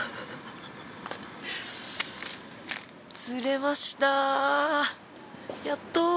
釣れましたやっと。